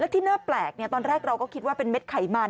ที่น่าแปลกตอนแรกเราก็คิดว่าเป็นเม็ดไขมัน